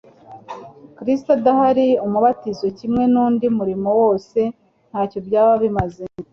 Kristo adahari, umubatizo kimwe n'undi murimo wose, ntacyo byaba bimaze.